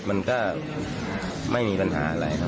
มันก็ไม่มีปัญหาอะไรครับ